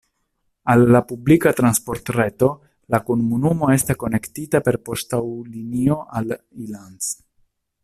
Al la publika transportreto la komunumo estas konektita per poŝtaŭtolinio al Ilanz.